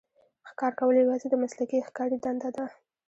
ښکار کول یوازې د مسلکي ښکاري دنده ده.